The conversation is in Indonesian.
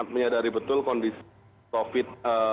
menyadari betul kondisi covid sembilan belas